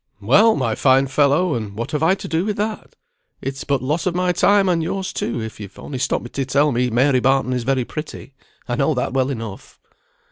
"Well, my fine fellow, and what have I to do with that? It's but loss of my time, and yours, too, if you've only stopped me to tell me Mary Barton is very pretty; I know that well enough."